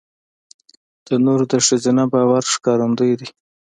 تنور د ښځینه باور ښکارندوی دی